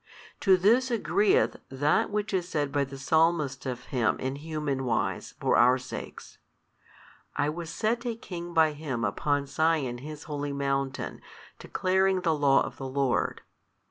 To this agreeth that which is said by the Psalmist of Him in human wise for our sakes, I was set a King by Him upon Sion His Holy Mountain declaring the Law of the Lord.